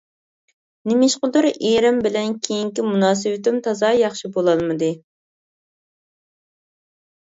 نېمىشقىدۇر ئېرىم بىلەن كېيىنكى مۇناسىۋىتىم تازا ياخشى بولالمىدى.